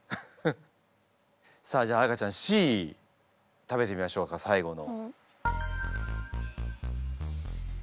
さあじゃあ彩歌ちゃんＣ食べてみましょうか最後の。